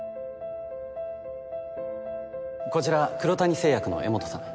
こちら黒谷製薬の江本さん